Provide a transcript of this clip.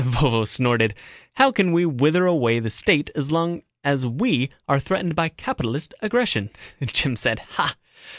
Vovo snorted. "How can we wither away the State as long as we are threatened by capitalist aggression?" Jim said, "Ha!"